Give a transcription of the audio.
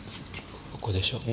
ここでしょう？